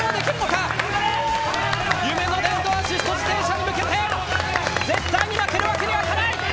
夢の電動アシスト自転車に向けて絶対に負けるわけにはいかない！